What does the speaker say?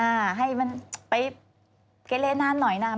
ให้มันไปเก็ตเลนานหน่อยน่ะ